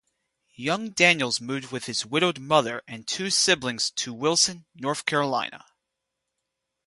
Young Daniels moved with his widowed mother and two siblings to Wilson, North Carolina.